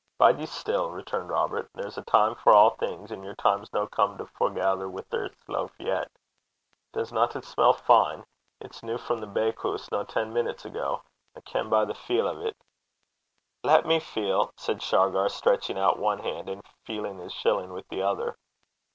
'Bide ye still,' returned Robert. 'There's a time for a' thing, and your time 's no come to forgather wi' this loaf yet. Does na it smell fine? It's new frae the bakehoose no ten minutes ago. I ken by the fin' (feel) o' 't.' 'Lat me fin' 't,' said Shargar, stretching out one hand, and feeling his shilling with the other.